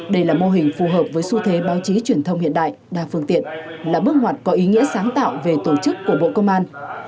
đây là mô hình phù hợp với xu thế báo chí truyền thông hiện đại đa phương tiện là bước ngoặt có ý nghĩa sáng tạo về tổ chức của bộ công an